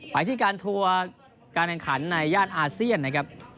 ไปที่การทัวร์การแข่งขันในย่านอาเซียนนะครับ